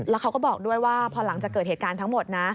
แล้วเขาก็บอกด้วยว่าพอหลังจากเกิดเหตุการณ์ทั้งหมดนะ